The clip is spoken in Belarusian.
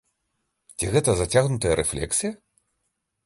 Ці гэта зацягнутая рэфлексія?